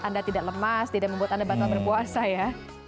anda tidak lemas tidak membuat anda batal berpuasa ya